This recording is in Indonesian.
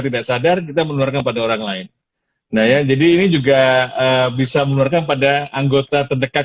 tidak sadar kita menularkan pada orang lain nah ya jadi ini juga bisa menularkan pada anggota terdekat